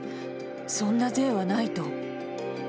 そんな税はないと。